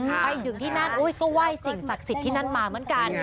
ไปถึงที่นั้นก็ว่ายสิงห์ศักยสิทธิ์ที่นั้นมาเหมือนกัน